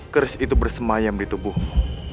keris itu bersemayam di tubuhmu